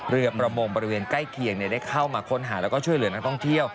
เรือประมงบริเวณใกล้เคียงได้เข้ามาค้นหาแล้วก็ช่วยเหลือนักท่องเที่ยว